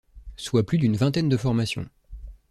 Soit plus d’une vingtaine de formations.